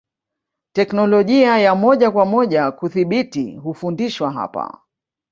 Teknolojia ya moja kwa moja kudhibiti hufundishwa hapa